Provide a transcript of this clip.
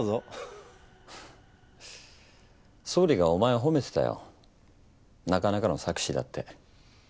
ははっ総理がお前を褒めてたよなかなかの策士だって。